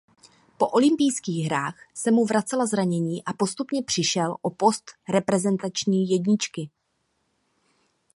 Po olympijských hrách se mu vracela zranění a postupně přišel o post reprezentační jedničky.